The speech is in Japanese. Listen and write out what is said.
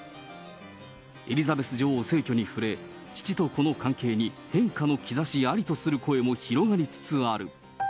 エリザベス女王逝去に触れ、父と子の関係に変化の兆しありとする声も広がりつつある。